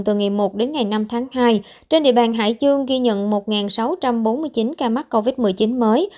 từ ngày một đến ngày năm tháng hai trên địa bàn hải dương ghi nhận một sáu trăm bốn mươi chín ca mắc covid một mươi chín mới